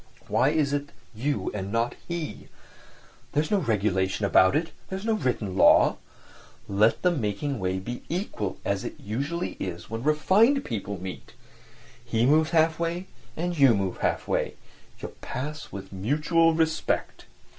"Why is it you and not he? There's no regulation about it; there's no written law. Let the making way be equal as it usually is when refined people meet; he moves half way and you move half way; you pass with mutual respect."